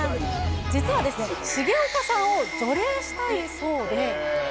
実はですね、重岡さんを除霊したいそうで。